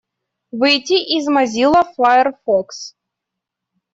Выйти из Mozilla Firefox.